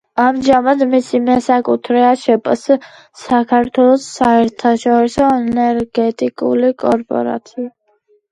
ამჟამად მისი მესაკუთრეა შპს „საქართველოს საერთაშორისო ენერგეტიკული კორპორაცია“.